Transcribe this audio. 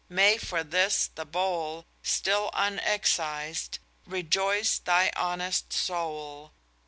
may for this the bowl, Still_ unexcised, _rejoice thy honest soul!